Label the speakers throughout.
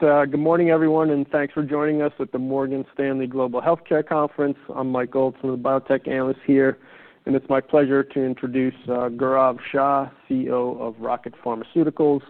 Speaker 1: Good morning, everyone, and thanks for joining us at the Morgan Stanley Global Health Care Conference. I'm Mike Gold, one of the biotech analysts here, and it's my pleasure to introduce Gaurav Shah, CEO of Rocket Pharmaceuticals.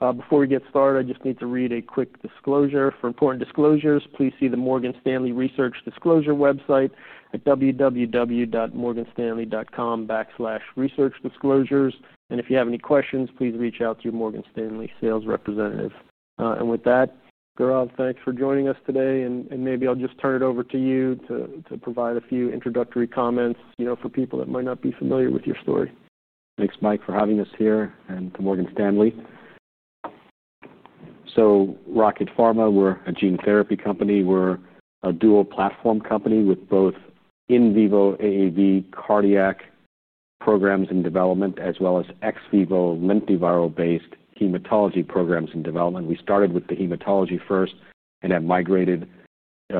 Speaker 1: Before we get started, I just need to read a quick disclosure. For important disclosures, please see the Morgan Stanley Research Disclosure website at www.morganstanley.com/researchdisclosures. If you have any questions, please reach out to your Morgan Stanley sales representative. With that, Gaurav, thanks for joining us today. Maybe I'll just turn it over to you to provide a few introductory comments, you know, for people that might not be familiar with your story.
Speaker 2: Thanks, Mike, for having us here and to Morgan Stanley. Rocket Pharmaceuticals, we're a gene therapy company. We're a dual platform company with both in vivo AAV-based cardiac programs in development, as well as ex vivo lentiviral-based hematology programs in development. We started with the hematology first and have migrated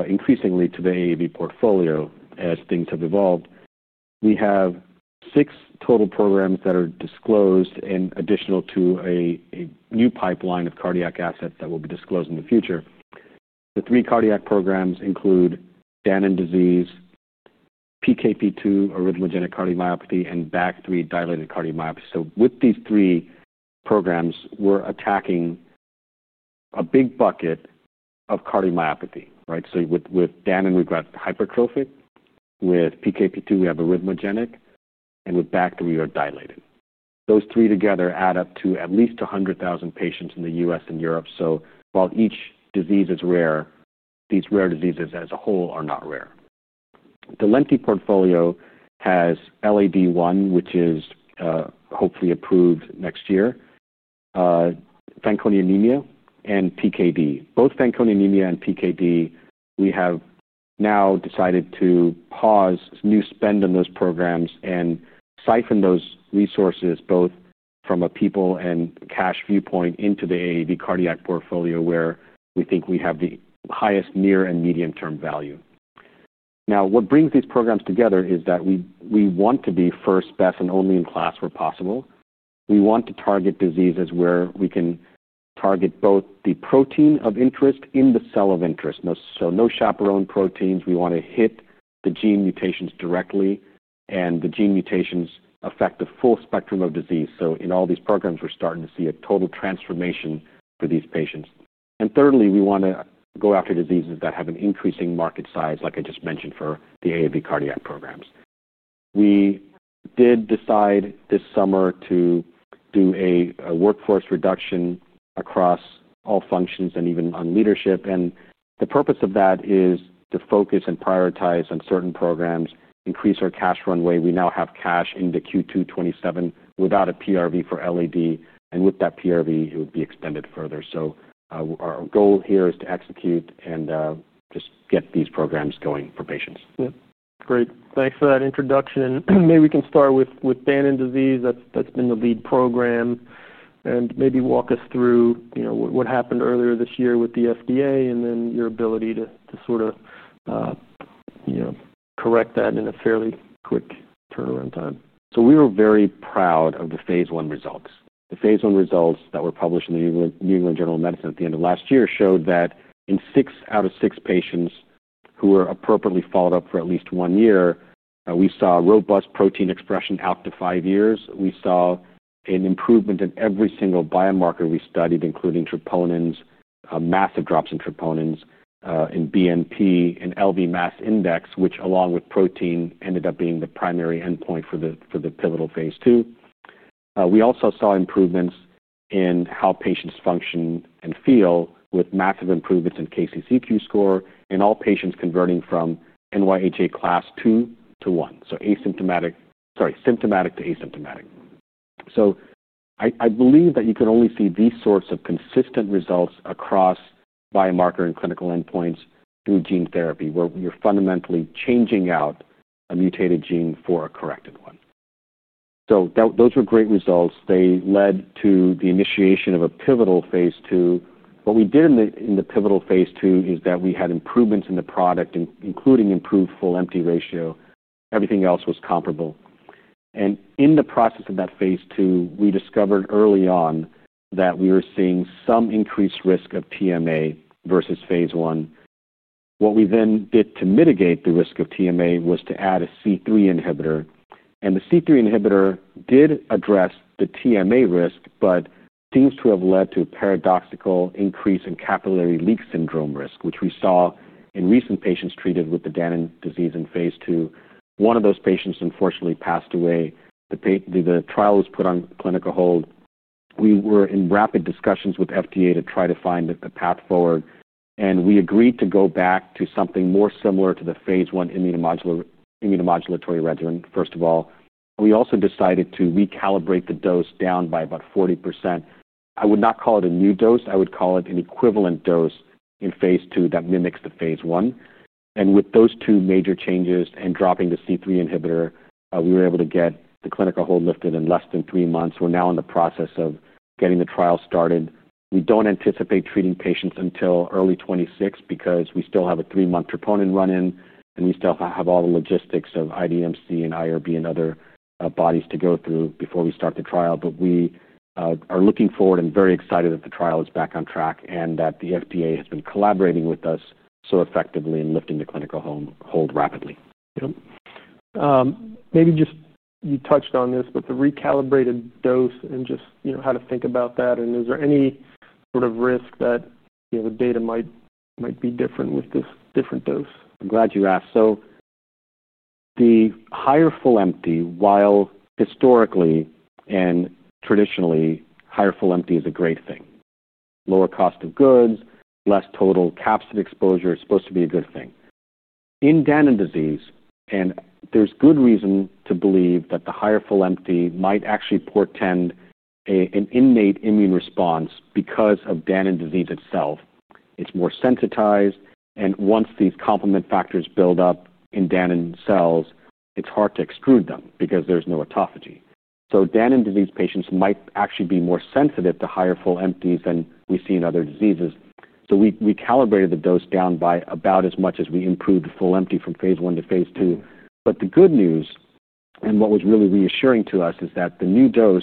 Speaker 2: increasingly to the AAV portfolio as things have evolved. We have six total programs that are disclosed and additional to a new pipeline of cardiac assets that will be disclosed in the future. The three cardiac programs include Danon Disease, PKP2-arrhythmogenic cardiomyopathy, and BAG3-associated dilated cardiomyopathy. With these three programs, we're attacking a big bucket of cardiomyopathy. With Danon, we've got hypertrophic. With PKP2, we have arrhythmogenic. With BAG3, we are dilated. Those three together add up to at least 100,000 patients in the U.S. and Europe. While each disease is rare, these rare diseases as a whole are not rare. The lentiviral portfolio has Leukocyte Adhesion Deficiency-I, which is hopefully approved next year, Fanconi Anemia, and Pyruvate Kinase Deficiency. Both Fanconi Anemia and Pyruvate Kinase Deficiency, we have now decided to pause new spend on those programs and siphon those resources, both from a people and cash viewpoint, into the AAV-based cardiac portfolio where we think we have the highest near and medium-term value. What brings these programs together is that we want to be first, best, and only in class where possible. We want to target diseases where we can target both the protein of interest in the cell of interest. No chaperone proteins. We want to hit the gene mutations directly, and the gene mutations affect the full spectrum of disease. In all these programs, we're starting to see a total transformation for these patients. Thirdly, we want to go after diseases that have an increasing market size, like I just mentioned, for the AAV-based cardiac programs. We did decide this summer to do a workforce reduction across all functions and even on leadership. The purpose of that is to focus and prioritize on certain programs, increase our cash runway. We now have cash into Q2 2027 without a Priority Review Voucher for Leukocyte Adhesion Deficiency-I. With that Priority Review Voucher, it would be extended further. Our goal here is to execute and just get these programs going for patients.
Speaker 1: Great, thanks for that introduction. Maybe we can start with Danon Disease. That's been the lead program. Maybe walk us through what happened earlier this year with the FDA and then your ability to correct that in a fairly quick turnaround time.
Speaker 2: We were very proud of the phase one results. The phase one results that were published in the New England Journal of Medicine at the end of last year showed that in six out of six patients who were appropriately followed up for at least one year, we saw robust protein expression out to five years. We saw an improvement in every single biomarker we studied, including troponins, massive drops in troponins, in BNP, and LV mass index, which along with protein ended up being the primary endpoint for the pivotal phase two. We also saw improvements in how patients function and feel with massive improvements in KCCQ score in all patients converting from NYHA class II to I, sorry, symptomatic to asymptomatic. I believe that you can only see these sorts of consistent results across biomarker and clinical endpoints through gene therapy, where you're fundamentally changing out a mutated gene for a corrected one. Those were great results. They led to the initiation of a pivotal phase two. What we did in the pivotal phase two is that we had improvements in the product, including improved full empty ratio. Everything else was comparable. In the process of that phase two, we discovered early on that we were seeing some increased risk of TMA versus phase one. What we then did to mitigate the risk of TMA was to add a C3 inhibitor. The C3 inhibitor did address the TMA risk, but seems to have led to a paradoxical increase in capillary leak syndrome risk, which we saw in recent patients treated with Danon Disease in phase two. One of those patients unfortunately passed away. The trial was put on clinical hold. We were in rapid discussions with FDA to try to find a path forward. We agreed to go back to something more similar to the phase one immunomodulatory regimen, first of all. We also decided to recalibrate the dose down by about 40%. I would not call it a new dose. I would call it an equivalent dose in phase two that mimics the phase one. With those two major changes and dropping the C3 inhibitor, we were able to get the clinical hold lifted in less than three months. We're now in the process of getting the trial started. We don't anticipate treating patients until early 2026 because we still have a three-month troponin run-in, and we still have all the logistics of IDMC and IRB and other bodies to go through before we start the trial. We are looking forward and very excited that the trial is back on track and that the FDA has been collaborating with us so effectively in lifting the clinical hold rapidly.
Speaker 1: Yeah. Maybe just you touched on this, but the recalibrated dose and just, you know, how to think about that. Is there any sort of risk that, you know, the data might be different with this different dose?
Speaker 2: I'm glad you asked. The higher full empty, while historically and traditionally, higher full empty is a great thing. Lower cost of goods, less total capsid exposure is supposed to be a good thing. In Danon Disease, and there's good reason to believe that the higher full empty might actually portend an innate immune response because of Danon Disease itself. It's more sensitized. Once these complement factors build up in Danon cells, it's hard to exclude them because there's no autophagy. Danon Disease patients might actually be more sensitive to higher full empties than we see in other diseases. We calibrated the dose down by about as much as we improved the full empty from phase one to phase two. The good news, and what was really reassuring to us, is that the new dose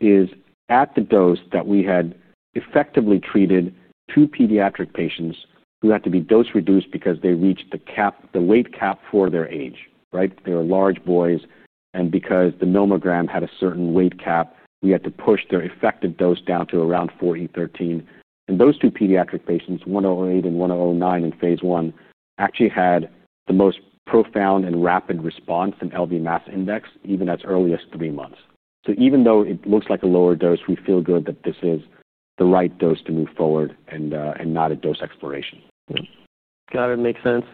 Speaker 2: is at the dose that we had effectively treated two pediatric patients who had to be dose reduced because they reached the weight cap for their age. They were large boys. Because the nomogram had a certain weight cap, we had to push their effective dose down to around 413 mg. Those two pediatric patients, 108 and 109 in phase one, actually had the most profound and rapid response in LV mass index, even as early as three months. Even though it looks like a lower dose, we feel good that this is the right dose to move forward and not a dose exploration.
Speaker 1: Got it. Makes sense.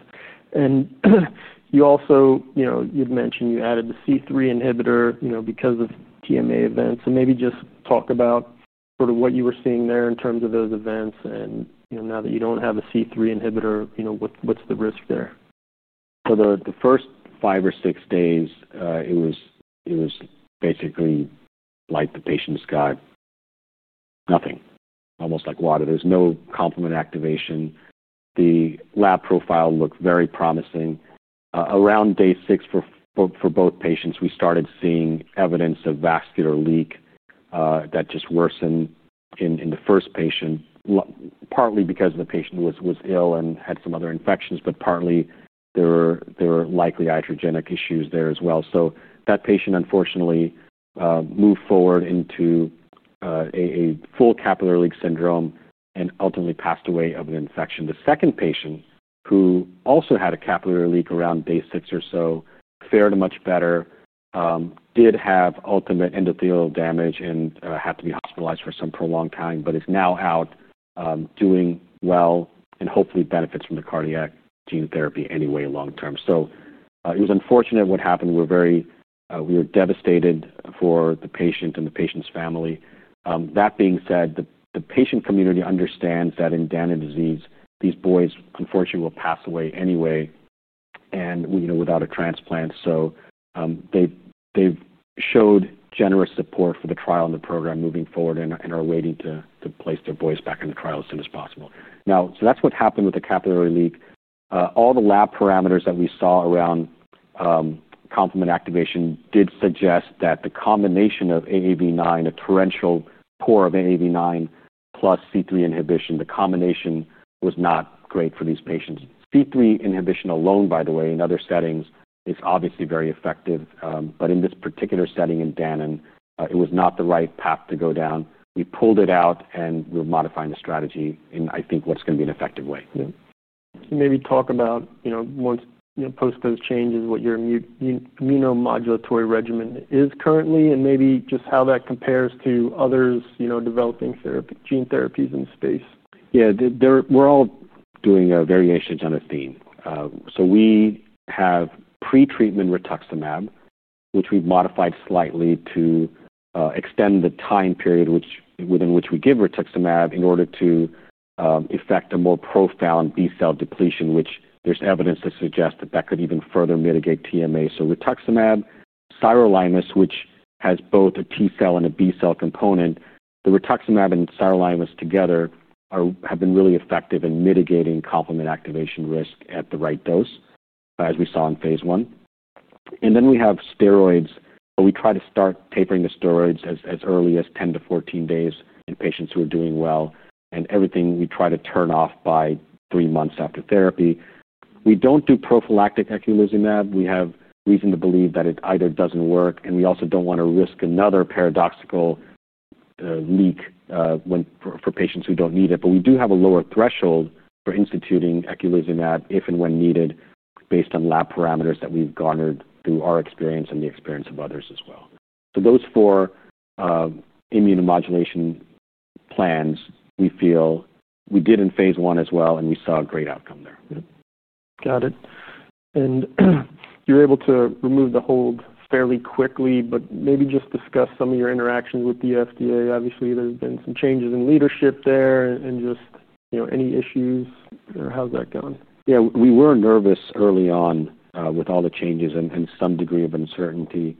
Speaker 1: You'd mentioned you added the C3 inhibitor because of TMA events. Maybe just talk about what you were seeing there in terms of those events. Now that you don't have a C3 inhibitor, what's the risk there?
Speaker 2: For the first five or six days, it was basically like the patient's got nothing, almost like water. There's no complement activation. The lab profile looked very promising. Around day six for both patients, we started seeing evidence of vascular leak that just worsened in the first patient, partly because the patient was ill and had some other infections, but partly there were likely iatrogenic issues there as well. That patient unfortunately moved forward into a full capillary leak syndrome and ultimately passed away of an infection. The second patient, who also had a capillary leak around day six or so, fared much better, did have ultimate endothelial damage and had to be hospitalized for some prolonged time, but is now out, doing well, and hopefully benefits from the cardiac gene therapy anyway long term. It was unfortunate what happened. We were devastated for the patient and the patient's family. That being said, the patient community understands that in Danon Disease, these boys unfortunately will pass away anyway and without a transplant. They've showed generous support for the trial and the program moving forward and are waiting to place their boys back in the trial as soon as possible. That's what happened with the capillary leak. All the lab parameters that we saw around complement activation did suggest that the combination of AAV9, a torrential pour of AAV9 plus C3 inhibition, the combination was not great for these patients. C3 inhibition alone, by the way, in other settings, it's obviously very effective. In this particular setting in Danon, it was not the right path to go down. We pulled it out and we're modifying the strategy in, I think, what's going to be an effective way.
Speaker 1: Maybe talk about, you know, once post those changes, what your immunomodulatory regimen is currently and maybe just how that compares to others, you know, developing gene therapies in the space.
Speaker 2: Yeah, we're all doing a variation genetic theme. We have pre-treatment rituximab, which we've modified slightly to extend the time period within which we give rituximab in order to affect a more profound B cell depletion, which there's evidence to suggest that could even further mitigate TMA. Rituximab, sirolimus, which has both a T cell and a B cell component, the rituximab and sirolimus together have been really effective in mitigating complement activation risk at the right dose, as we saw in phase one. We have steroids, but we try to start tapering the steroids as early as 10 to 14 days in patients who are doing well. Everything we try to turn off by three months after therapy. We don't do prophylactic eculizumab. We have reason to believe that it either doesn't work, and we also don't want to risk another paradoxical leak for patients who don't need it. We do have a lower threshold for instituting eculizumab if and when needed based on lab parameters that we've garnered through our experience and the experience of others as well. Those four immunomodulation plans we feel we did in phase one as well, and we saw a great outcome there.
Speaker 1: Got it. You're able to remove the hold fairly quickly, but maybe just discuss some of your interactions with the FDA. Obviously, there's been some changes in leadership there, and just, you know, any issues? How's that going?
Speaker 2: Yeah, we were nervous early on with all the changes and some degree of uncertainty.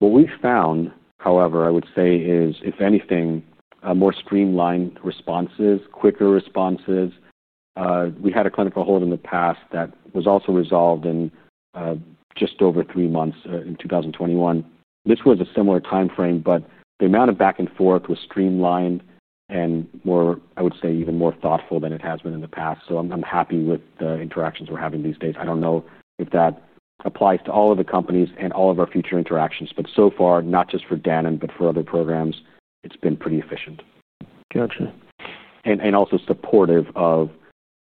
Speaker 2: What we found, however, I would say, is, if anything, more streamlined responses, quicker responses. We had a clinical hold in the past that was also resolved in just over three months in 2021. This was a similar time frame, but the amount of back and forth was streamlined and more, I would say, even more thoughtful than it has been in the past. I'm happy with the interactions we're having these days. I don't know if that applies to all of the companies and all of our future interactions, but so far, not just for Danon, but for other programs, it's been pretty efficient.
Speaker 1: Gotcha.
Speaker 2: are also supportive of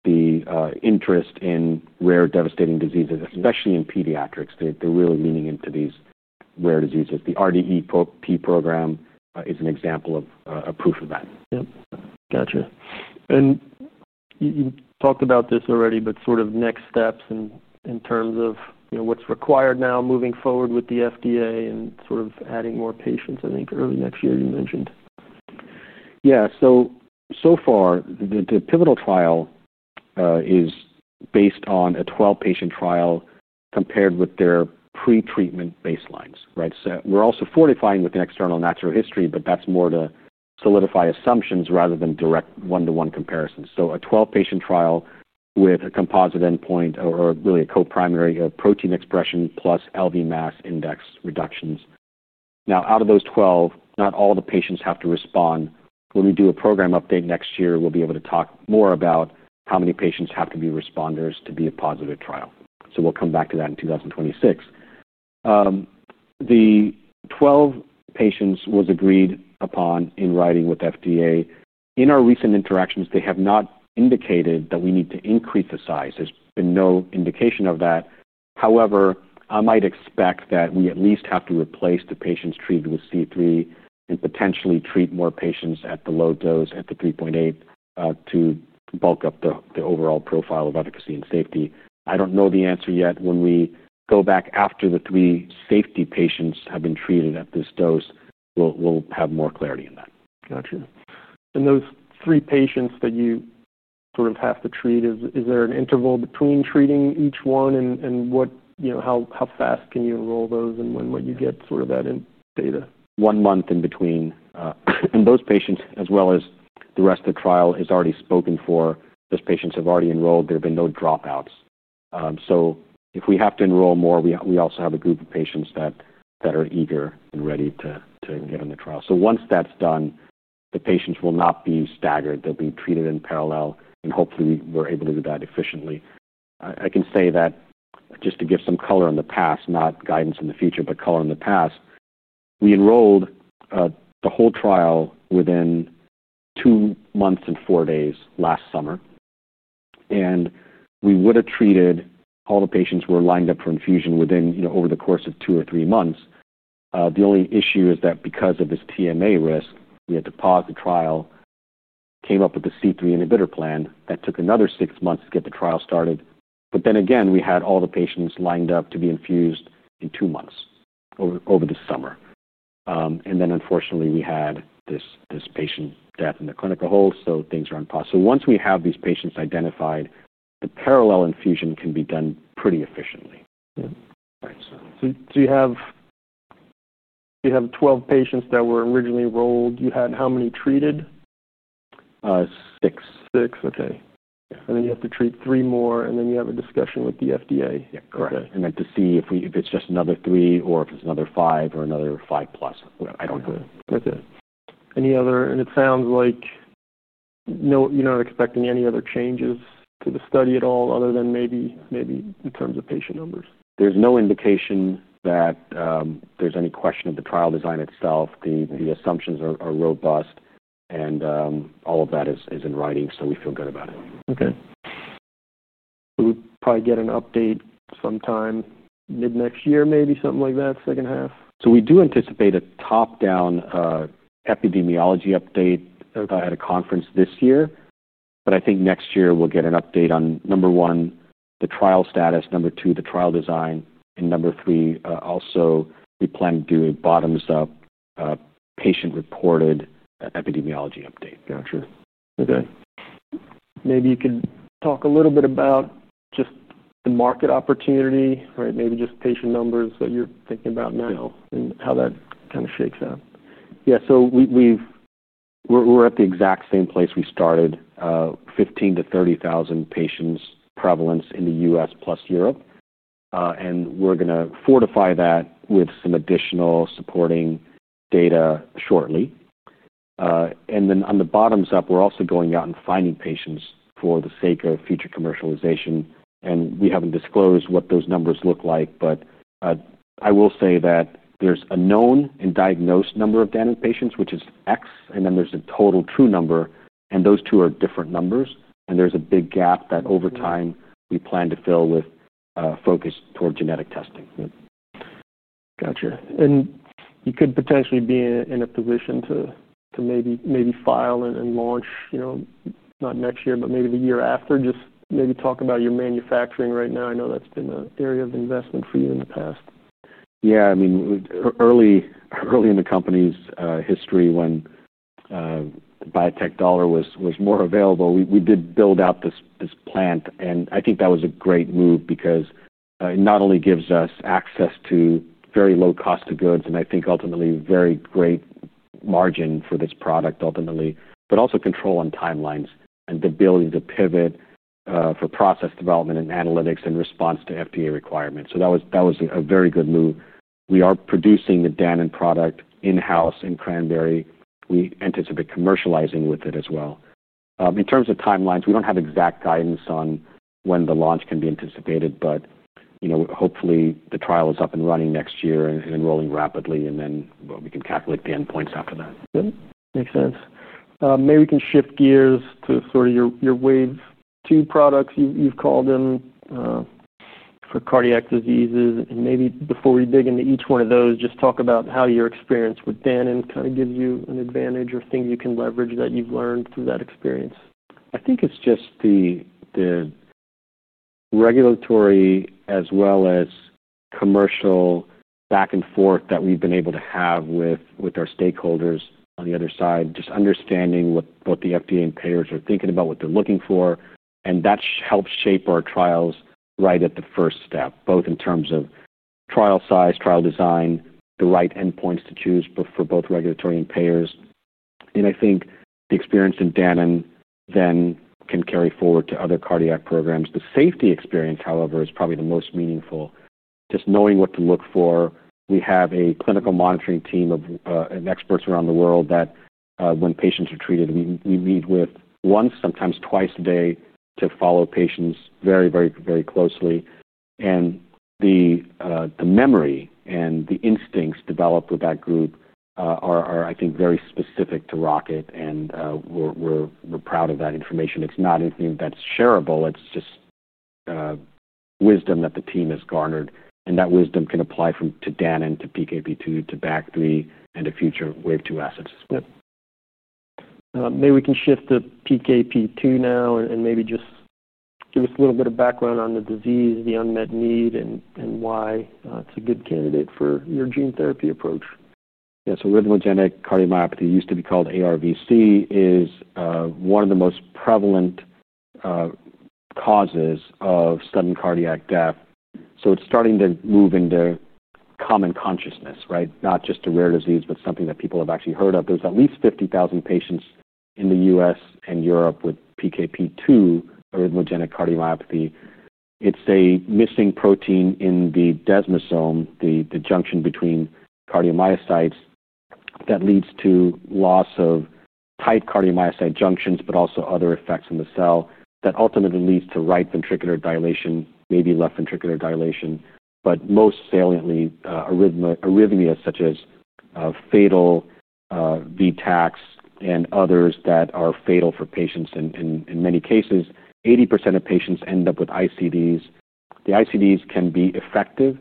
Speaker 2: the interest in rare devastating diseases, especially in pediatrics. They are really leaning into these rare diseases. The RDEP program is an example of a proof of that.
Speaker 1: Gotcha. You talked about this already, but next steps in terms of what's required now moving forward with the FDA and adding more patients, I think, early next year, you mentioned.
Speaker 2: Yeah. So far, the pivotal trial is based on a 12-patient trial compared with their pre-treatment baselines. We're also fortifying with an external natural history, but that's more to solidify assumptions rather than direct one-to-one comparisons. A 12-patient trial with a composite endpoint or really a coprimary protein expression plus LV mass index reductions. Out of those 12, not all the patients have to respond. When we do a program update next year, we'll be able to talk more about how many patients have to be responders to be a positive trial. We'll come back to that in 2026. The 12 patients were agreed upon in writing with FDA. In our recent interactions, they have not indicated that we need to increase the size. There's been no indication of that. However, I might expect that we at least have to replace the patients treated with C3 and potentially treat more patients at the low dose, at the 3.8, to bulk up the overall profile of efficacy and safety. I don't know the answer yet. When we go back after the three safety patients have been treated at this dose, we'll have more clarity in that.
Speaker 1: Gotcha. Those three patients that you sort of have to treat, is there an interval between treating each one, and how fast can you enroll those, and when do you get sort of that data?
Speaker 2: One month in between. Those patients, as well as the rest of the trial, it's already spoken for. Those patients have already enrolled. There have been no dropouts. If we have to enroll more, we also have a group of patients that are eager and ready to get on the trial. Once that's done, the patients will not be staggered. They'll be treated in parallel, and hopefully, we're able to do that efficiently. I can say that just to give some color in the past, not guidance in the future, but color in the past, we enrolled the whole trial within two months and four days last summer. We would have treated all the patients who were lined up for infusion within, you know, over the course of two or three months. The only issue is that because of this TMA risk, we had to pause the trial, came up with the C3 inhibitor plan that took another six months to get the trial started. Then again, we had all the patients lined up to be infused in two months over the summer. Unfortunately, we had this patient death in the clinical hold, so things are unpossible. Once we have these patients identified, the parallel infusion can be done pretty efficiently.
Speaker 1: Do you have 12 patients that were originally enrolled? You had how many treated?
Speaker 2: Six.
Speaker 1: Six. Okay, and then you have to treat three more, and then you have a discussion with the FDA?
Speaker 2: Correct. To see if it's just another three or if it's another five or another five plus. I don't know.
Speaker 1: Okay. Any other, it sounds like you're not expecting any other changes to the study at all other than maybe in terms of patient numbers?
Speaker 2: There's no indication that there's any question of the trial design itself. The assumptions are robust, and all of that is in writing, so we feel good about it.
Speaker 1: Okay, we'll probably get an update sometime mid-next year, maybe something like that, second half?
Speaker 2: We do anticipate a top-down epidemiology update at a conference this year. I think next year, we'll get an update on, number one, the trial status, number two, the trial design, and number three, also, we plan to do a bottoms-up patient-reported epidemiology update.
Speaker 1: Gotcha. Okay. Maybe you can talk a little bit about just the market opportunity, right? Maybe just patient numbers that you're thinking about now and how that kind of shakes out.
Speaker 2: Yeah. We're at the exact same place we started, 15,000 to 30,000 patients prevalence in the U.S. plus Europe. We're going to fortify that with some additional supporting data shortly. On the bottoms up, we're also going out and finding patients for the sake of future commercialization. We haven't disclosed what those numbers look like, but I will say that there's a known and diagnosed number of Danon patients, which is X, and then there's a total true number, and those two are different numbers. There's a big gap that over time we plan to fill with focus toward genetic testing.
Speaker 1: You could potentially be in a position to maybe file and launch, you know, not next year, but maybe the year after. Just maybe talk about your manufacturing right now. I know that's been an area of investment for you in the past.
Speaker 2: Yeah. Early in the company's history, when the biotech dollar was more available, we did build out this plant. I think that was a great move because it not only gives us access to very low cost of goods, and I think ultimately very great margin for this product ultimately, but also control on timelines and the ability to pivot for process development and analytics in response to FDA requirements. That was a very good move. We are producing the Danon product in-house in Cranbury. We anticipate commercializing with it as well. In terms of timelines, we don't have exact guidance on when the launch can be anticipated, but you know, hopefully, the trial is up and running next year and enrolling rapidly, and then we can calculate the endpoints after that.
Speaker 1: Yeah. Makes sense. Maybe we can shift gears to sort of your wave two products. You've called them for cardiac diseases. Maybe before we dig into each one of those, just talk about how your experience with Danon kind of gives you an advantage or thing you can leverage that you've learned through that experience.
Speaker 2: I think it's just the regulatory as well as commercial back and forth that we've been able to have with our stakeholders on the other side, just understanding what the FDA and payers are thinking about, what they're looking for. That helps shape our trials right at the first step, both in terms of trial size, trial design, the right endpoints to choose for both regulatory and payers. I think the experience in Danon then can carry forward to other cardiac programs. The safety experience, however, is probably the most meaningful, just knowing what to look for. We have a clinical monitoring team of experts around the world that when patients are treated, we meet with once, sometimes twice a day to follow patients very, very, very closely. The memory and the instincts developed with that group are, I think, very specific to Rocket, and we're proud of that information. It's not anything that's shareable. It's just wisdom that the team has garnered. That wisdom can apply from Danon to PKP2 to BAG3 and to future wave two assets as well.
Speaker 1: Maybe we can shift to PKP2 now and maybe just give us a little bit of background on the disease, the unmet need, and why it's a good candidate for your gene therapy approach.
Speaker 2: Yeah. PKP2-arrhythmogenic cardiomyopathy, used to be called ARVC, is one of the most prevalent causes of sudden cardiac death. It's starting to move into common consciousness, right? Not just a rare disease, but something that people have actually heard of. There's at least 50,000 patients in the U.S. and Europe with PKP2 or PKP2-arrhythmogenic cardiomyopathy. It's a missing protein in the desmosome, the junction between cardiomyocytes that leads to loss of tight cardiomyocyte junctions, but also other effects in the cell that ultimately lead to right ventricular dilation, maybe left ventricular dilation, but most saliently arrhythmias such as fatal V-tachs and others that are fatal for patients. In many cases, 80% of patients end up with ICDs. The ICDs can be effective,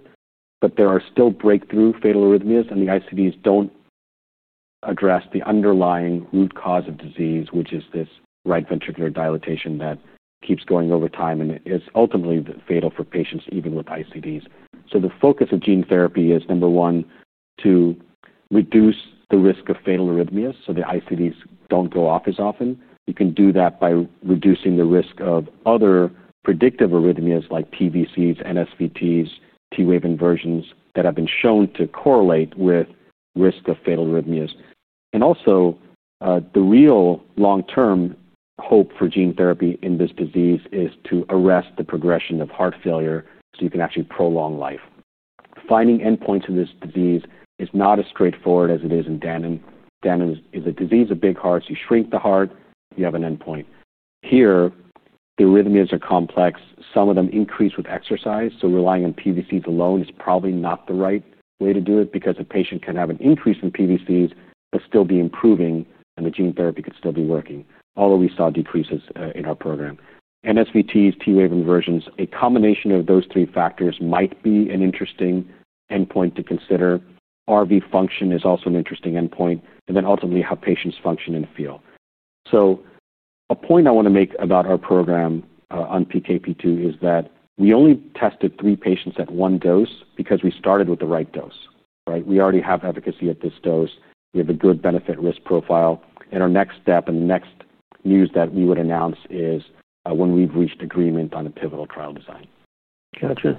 Speaker 2: but there are still breakthrough fatal arrhythmias, and the ICDs don't address the underlying root cause of disease, which is this right ventricular dilatation that keeps going over time and is ultimately fatal for patients even with ICDs. The focus of gene therapy is, number one, to reduce the risk of fatal arrhythmias so the ICDs don't go off as often. You can do that by reducing the risk of other predictive arrhythmias like PVCs, NSVTs, T-wave inversions that have been shown to correlate with risk of fatal arrhythmias. The real long-term hope for gene therapy in this disease is to arrest the progression of heart failure so you can actually prolong life. Finding endpoints in this disease is not as straightforward as it is in Danon. Danon is a disease of big hearts. You shrink the heart, you have an endpoint. Here, the arrhythmias are complex. Some of them increase with exercise. Relying on PVCs alone is probably not the right way to do it because a patient can have an increase in PVCs but still be improving, and the gene therapy could still be working. Although we saw decreases in our program. NSVTs, T-wave inversions, a combination of those three factors might be an interesting endpoint to consider. RV function is also an interesting endpoint. Ultimately, how patients function and feel. A point I want to make about our program on PKP2 is that we only tested three patients at one dose because we started with the right dose. We already have efficacy at this dose. We have a good benefit-risk profile. Our next step and next news that we would announce is when we've reached agreement on a pivotal trial design.
Speaker 1: Gotcha.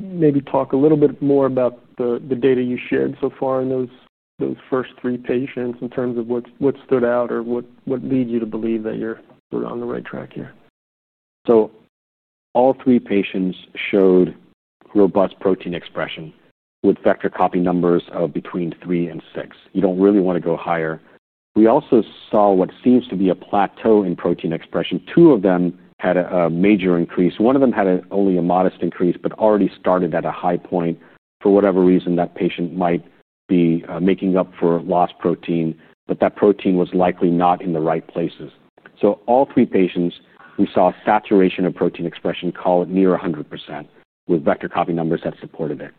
Speaker 1: Maybe talk a little bit more about the data you shared so far in those first three patients, in terms of what stood out or what leads you to believe that you're sort of on the right track here.
Speaker 2: All three patients showed robust protein expression with vector copy numbers of between three and six. You don't really want to go higher. We also saw what seems to be a plateau in protein expression. Two of them had a major increase. One of them had only a modest increase but already started at a high point. For whatever reason, that patient might be making up for lost protein, but that protein was likely not in the right places. All three patients, we saw a saturation of protein expression called near 100% with vector copy numbers that supported it.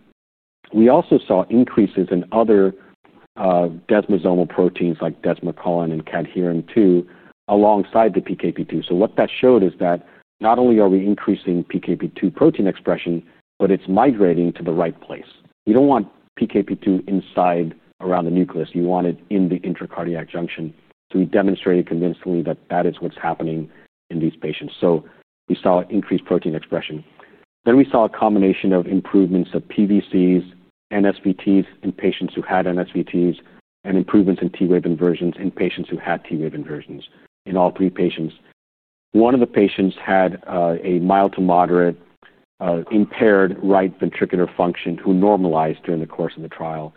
Speaker 2: We also saw increases in other desmosomal proteins like desmocolin and CADH2 alongside the PKP2. What that showed is that not only are we increasing PKP2 protein expression, but it's migrating to the right place. You don't want PKP2 inside around the nucleus. You want it in the intracardiac junction. We demonstrated convincingly that that is what's happening in these patients. We saw increased protein expression. We saw a combination of improvements of PVCs, NSVTs in patients who had NSVTs, and improvements in T-wave inversions in patients who had T-wave inversions in all three patients. One of the patients had a mild to moderate impaired right ventricular function who normalized during the course of the trial.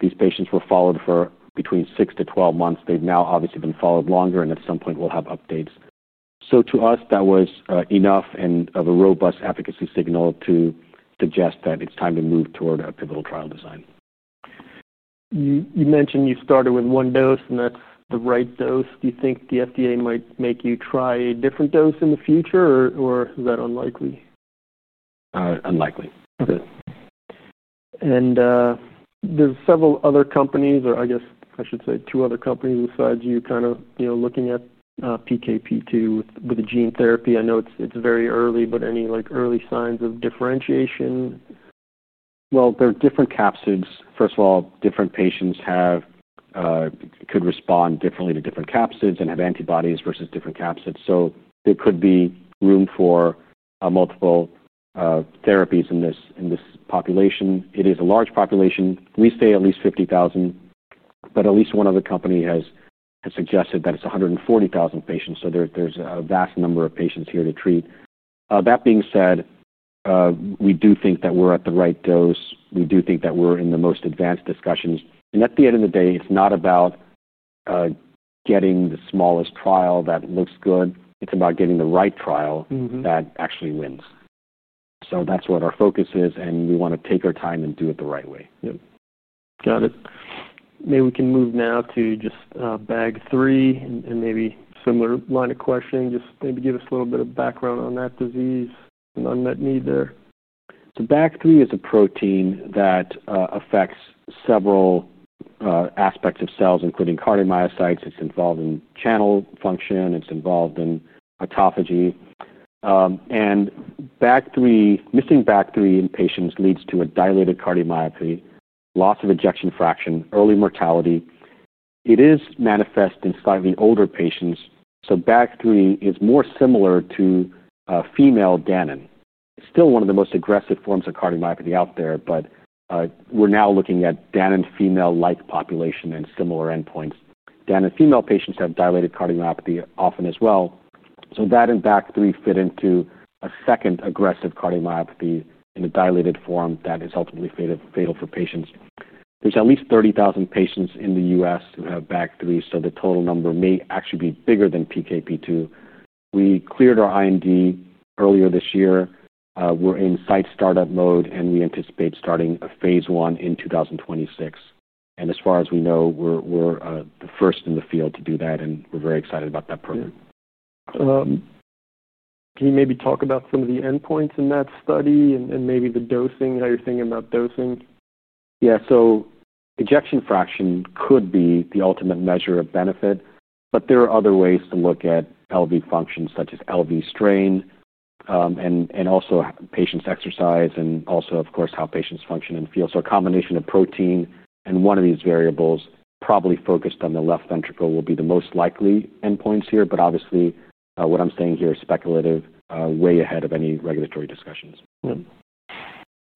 Speaker 2: These patients were followed for between 6 to 12 months. They've now obviously been followed longer, and at some point, we'll have updates. To us, that was enough and of a robust efficacy signal to suggest that it's time to move toward a pivotal trial design.
Speaker 1: You mentioned you started with one dose, and that's the right dose. Do you think the FDA might make you try a different dose in the future, or is that unlikely?
Speaker 2: Unlikely.
Speaker 1: There are several other companies, or I guess I should say two other companies besides you, kind of, you know, looking at PKP2 with a gene therapy. I know it's very early, but any like early signs of differentiation?
Speaker 2: There are different capsids. First of all, different patients could respond differently to different capsids and have antibodies versus different capsids. There could be room for multiple therapies in this population. It is a large population. We say at least 50,000, but at least one other company has suggested that it's 140,000 patients. There is a vast number of patients here to treat. That being said, we do think that we're at the right dose. We do think that we're in the most advanced discussions. At the end of the day, it's not about getting the smallest trial that looks good. It's about getting the right trial that actually wins. That's what our focus is, and we want to take our time and do it the right way.
Speaker 1: Yeah. Got it. Maybe we can move now to just BAG3 and maybe a similar line of questioning. Just maybe give us a little bit of background on that disease and unmet need there.
Speaker 2: BAG3 is a protein that affects several aspects of cells, including cardiomyocytes. It's involved in channel function. It's involved in autophagy. Missing BAG3 in patients leads to a dilated cardiomyopathy, loss of ejection fraction, early mortality. It is manifest in slightly older patients. BAG3 is more similar to female Danon. It's still one of the most aggressive forms of cardiomyopathy out there. We're now looking at Danon female-like population and similar endpoints. Danon female patients have dilated cardiomyopathy often as well. That and BAG3 fit into a second aggressive cardiomyopathy in a dilated form that is ultimately fatal for patients. There's at least 30,000 patients in the U.S. who have BAG3, so the total number may actually be bigger than PKP2. We cleared our IND earlier this year. We're in site startup mode, and we anticipate starting a phase one in 2026. As far as we know, we're the first in the field to do that, and we're very excited about that program.
Speaker 1: Yeah. Can you maybe talk about some of the endpoints in that study and maybe the dosing, how you're thinking about dosing?
Speaker 2: Ejection fraction could be the ultimate measure of benefit, but there are other ways to look at LV function such as LV strain and also patients' exercise and also, of course, how patients function and feel. A combination of protein and one of these variables probably focused on the left ventricle will be the most likely endpoints here, but obviously, what I'm saying here is speculative, way ahead of any regulatory discussions.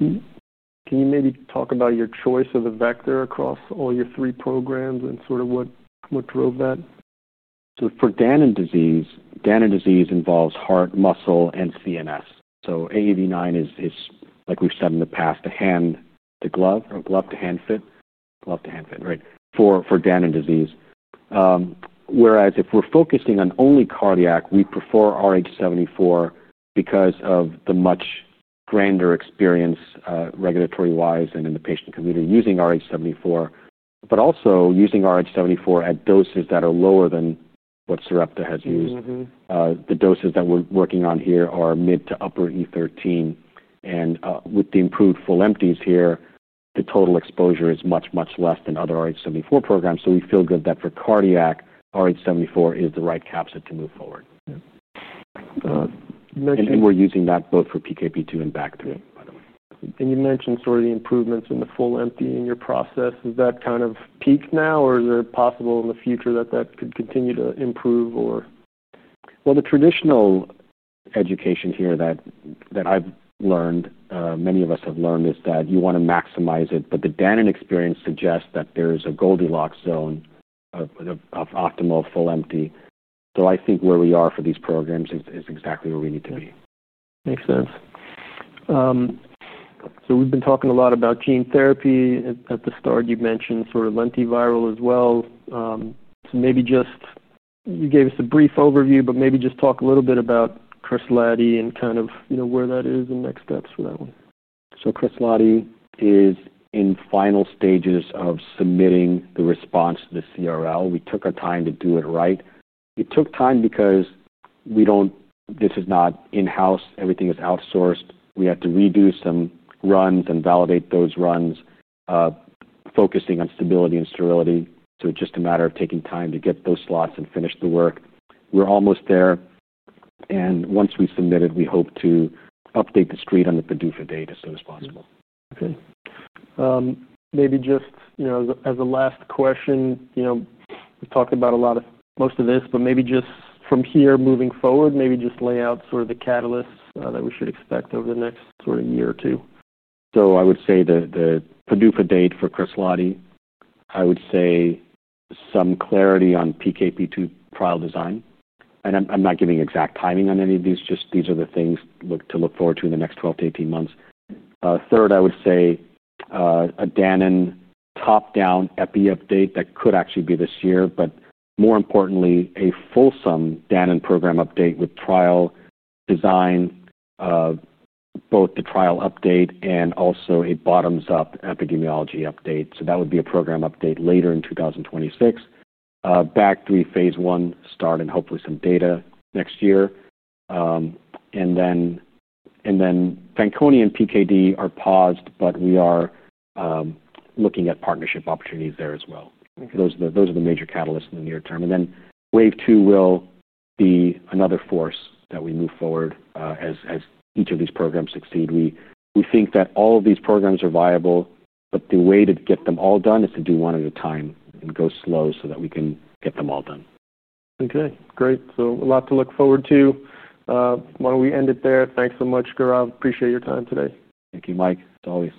Speaker 1: Can you maybe talk about your choice of the vector across all your three programs and sort of what drove that?
Speaker 2: For Danon Disease, Danon Disease involves heart, muscle, and CNS. AAV9 is, like we've said in the past, the hand-to-glove or glove-to-hand fit, right, for Danon Disease. Whereas if we're focusing on only cardiac, we prefer RH74 because of the much grander experience regulatory-wise and in the patient community using RH74, but also using RH74 at doses that are lower than what Sarepta has used. The doses that we're working on here are mid to upper E13. With the improved full empties here, the total exposure is much, much less than other RH74 programs. We feel good that for cardiac, RH74 is the right capsid to move forward. We're using that both for PKP2 and BAG3, by the way.
Speaker 1: You mentioned sort of the improvements in the full empty in your process. Is that kind of peak now, or is it possible in the future that that could continue to improve?
Speaker 2: The traditional education here that I've learned, many of us have learned, is that you want to maximize it, but the Danon experience suggests that there's a Goldilocks zone of optimal full empty. I think where we are for these programs is exactly where we need to be.
Speaker 1: Makes sense. We've been talking a lot about gene therapy at the start. You mentioned sort of lentiviral as well. Maybe just you gave us a brief overview, but maybe just talk a little bit about CRISLATI and kind of, you know, where that is and next steps for that one.
Speaker 2: CRISLATI is in final stages of submitting the response to the CRL. We took our time to do it right. It took time because we don't, this is not in-house. Everything is outsourced. We had to redo some runs and validate those runs, focusing on stability and sterility. It is just a matter of taking time to get those slots and finish the work. We're almost there. Once we submit it, we hope to update the street on the PDUFA date as soon as possible.
Speaker 1: Okay. Maybe just as a last question, we've talked about a lot of most of this, but maybe just from here moving forward, maybe just lay out sort of the catalysts that we should expect over the next year or two.
Speaker 2: I would say the PDUFA date for CRISLATI, some clarity on PKP2 trial design. I'm not giving exact timing on any of these, just these are the things to look forward to in the next 12 to 18 months. Third, a Danon top-down epi update that could actually be this year, but more importantly, a full-sum Danon program update with trial design, both the trial update and also a bottoms-up epidemiology update. That would be a program update later in 2026. BAG3 phase one start and hopefully some data next year. Fanconi and PKD are paused, but we are looking at partnership opportunities there as well. Those are the major catalysts in the near term. Wave two will be another force that we move forward as each of these programs succeed. We think that all of these programs are viable, but the way to get them all done is to do one at a time and go slow so that we can get them all done.
Speaker 1: Okay. Great. A lot to look forward to. Why don't we end it there? Thanks so much, Gaurav. Appreciate your time today.
Speaker 2: Thank you, Mike. Always.